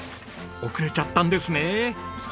遅れちゃったんですね。